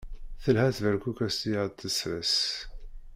Telha tberkukest i aɣ-d-tesres.